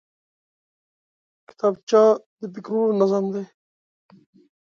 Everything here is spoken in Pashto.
کتابچه د فکرونو نظم دی